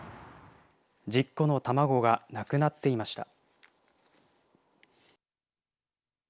１０個の卵がなくなっていました。